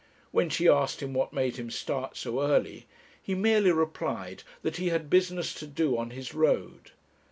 When she asked him what made him start so early, he merely replied that he had business to do on his road.